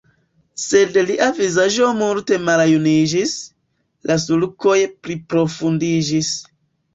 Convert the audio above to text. Sed lia vizaĝo multe maljuniĝis, la sulkoj pliprofundiĝis.